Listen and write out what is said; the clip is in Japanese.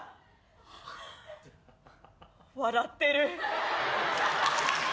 笑ってる。